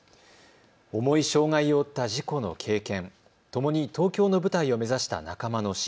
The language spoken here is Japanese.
重い障害を負った事故の経験、ともに東京の舞台を目指した仲間の死。